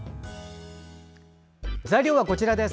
材料はこちらです。